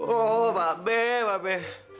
oh mbak be mbak be